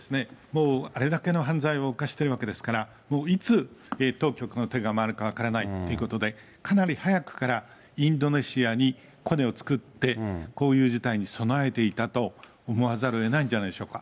もう、あれだけの犯罪を犯してるわけですから、もう、いつ当局の手が回るか分からないってことで、かなり早くからインドネシアにコネを作って、こういう事態に備えていたと思わざるをえないんじゃないでしょう